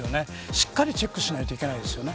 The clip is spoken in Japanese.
しっかりチェックしないといけないですよね。